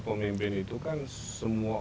pemimpin itu kan semua